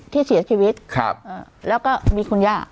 ที่เสียชีวิตแล้วก็มีคุณย่า